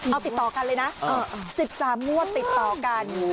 เอาติดต่อกันเลยนะ๑๓งวดติดต่อกัน